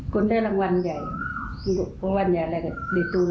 คุณยังได้เวลาคมสร้าย